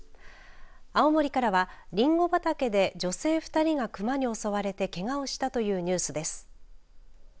青森からはリンゴ畑で女性２人が熊に襲われてけがをしたというニュースです。